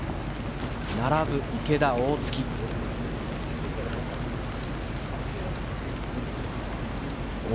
並ぶ池田、大槻。